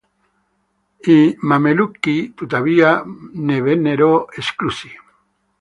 I Mamelucchi, tuttavia, ne vennero esclusi.